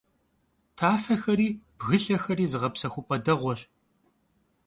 Tafexeri bgılhexeri zığepsexup'e değueş.